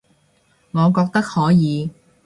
我覺得可以